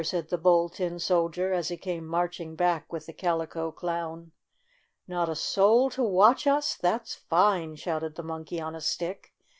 said the Bold Tin Sol dier, as he came marching back with the Calico Clown. " Not a soul to watch us ? That 's fine !'' shouted the Monkey on a Stick.